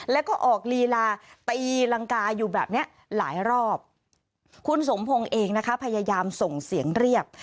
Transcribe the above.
แล้วก็ออกลีลาตีรังกาอยู่แบบเนี้ยหลายรอบคุณสมพงศ์เองนะคะพยายามส่งเสียงเรียก